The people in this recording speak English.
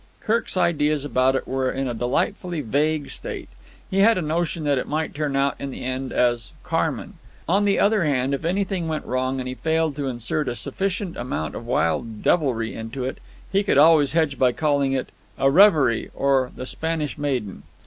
Kirk's ideas about it were in a delightfully vague state. He had a notion that it might turn out in the end as "Carmen." On the other hand, if anything went wrong and he failed to insert a sufficient amount of wild devilry into it, he could always hedge by calling it "A Reverie" or "The Spanish Maiden."